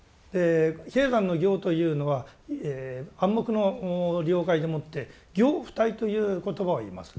比叡山の行というのは暗黙の了解でもって「行不退」という言葉を言います。